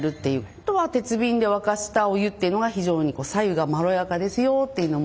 あとは鉄瓶で沸かしたお湯っていうのが非常にさ湯がまろやかですよっていうのも。